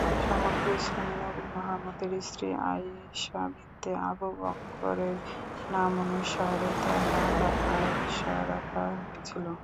সম্ভবত ইসলামী নবি মুহাম্মদের স্ত্রী আয়িশা বিনতে আবু বকরের নামানুসারে তার নাম আয়শা রাখা হয়েছিল।